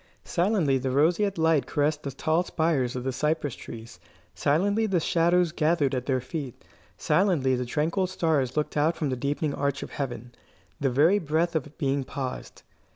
Silently the roseate light caressed the tall spires of the cypress trees; silently the shadows gathered at their feet; silently the tranquil stars looked out from the deepening arch of heaven. The very breath of being paused.